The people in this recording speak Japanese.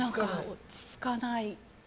落ち着かない。